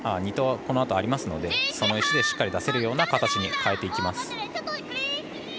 このあとありますのでその石でしっかり出せる形に変えていきます。